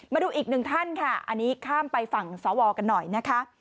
มาดูอีกหนึ่งท่านค่ะอันนี้ข้ามไปฝั่งสวกันหน่อยนะคะ